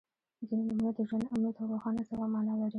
• ځینې نومونه د ژوند، امید او روښانه سبا معنا لري.